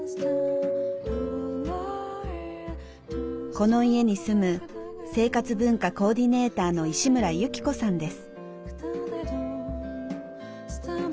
この家に住む生活文化コーディネーターの石村由起子さんです。